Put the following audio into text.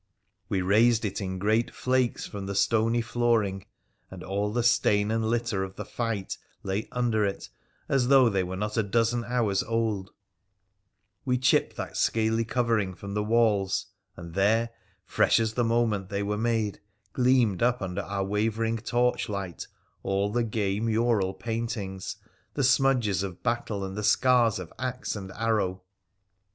We raised it in great flakes from the stony flooring, and all the stain and litter of the fight lay under it, as though they were not a dozen hours old ; we chipped that scaly covering from the walls, and there, fresh as the moment they were made, gleamed up under our wavering torch light all the gay mural paintings, the smudges of battle, and the scars of axe and arrow.